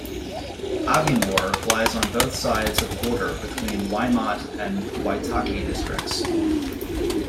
Aviemore lies on both sides of the border between the Waimate and Waitaki districts.